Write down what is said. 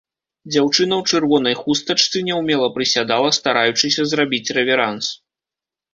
Дзяўчына ў чырвонай хустачцы няўмела прысядала, стараючыся зрабіць рэверанс.